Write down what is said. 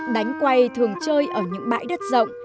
đánh quay thường chơi ở những bãi đất rộng